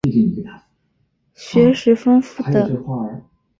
学识丰富的滕斯托尔主教曾大力支持伊拉斯谟的翻译工作。